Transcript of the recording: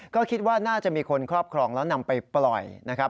ก็คิดว่าน่าจะมีคนครอบครองแล้วนำไปปล่อยนะครับ